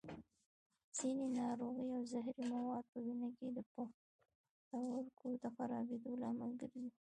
ځینې ناروغۍ او زهري مواد په وینه کې د پښتورګو د خرابېدو لامل ګرځي.